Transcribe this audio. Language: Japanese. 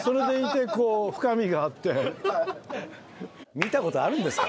見たことあるんですか？